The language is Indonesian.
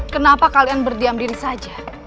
kenapa kalian berdiam diri saja